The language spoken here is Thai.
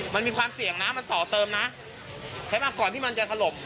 มันมีความเสี่ยงนะมันต่อเติมนะใช้มาก่อนที่มันจะถล่ม